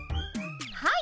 はい。